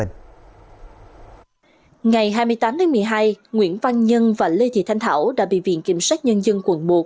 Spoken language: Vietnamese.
ngày hai mươi tám tháng một mươi hai nguyễn văn nhân và lê thị thanh thảo đã bị viện kiểm sát nhân dân quận một